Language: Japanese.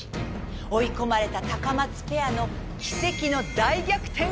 追い込まれたタカマツペアの奇跡の大逆転が始まる。